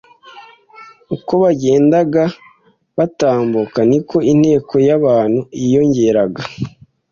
Uko bagendaga batambuka, niko inteko y'abantu yiyongeraga: